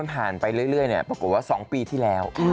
ผ่านไปเรื่อยปรากฏว่า๒ปีที่แล้ว